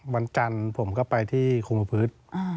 วันจันทร์ผมก็ไปที่คุมประพฤติ